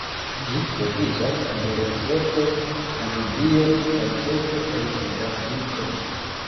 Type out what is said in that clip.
Ĝi troviĝas en Lesoto, Namibio kaj ĉefe en Sudafriko.